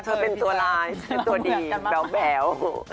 เธอเป็นตัวลายเธอตัวดีแบ๊ว